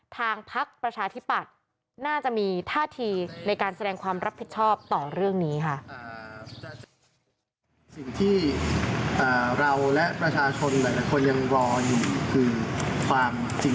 ทางพักประชาธิปัตย์น่าจะมีท่าทีในการแสดงความรับผิดชอบต่อเรื่องนี้ค่ะ